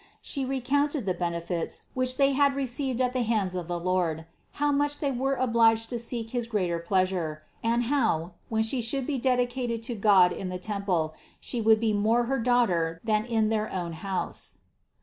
She recounted the benefits, which they had received at the hands of the Lord, how much they were obliged to seek his greater pleasure, and how, when She should be dedi cated to God in the temple, She would be more her Daughter than in their own house.